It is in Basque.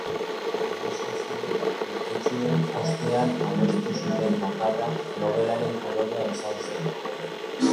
Negoziazio neketsuen ostean adostu zuten bakarra logelaren kolorea izan zen.